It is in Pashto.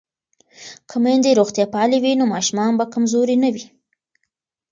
که میندې روغتیا پالې وي نو ماشومان به کمزوري نه وي.